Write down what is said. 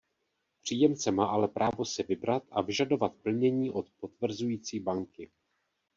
Příjemce má ale právo si vybrat a vyžadovat plnění od potvrzující banky.